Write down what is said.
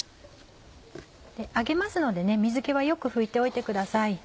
揚げますので水気はよく拭いておいてください。